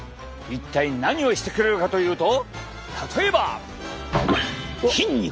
一体何をしてくれるかというと例えば。筋肉！